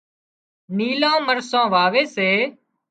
نيلان مرسان واوي سي